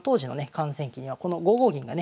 観戦記にはこの５五銀がね